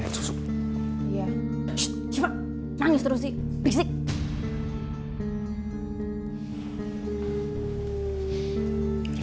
syifa nangis terus sih biksin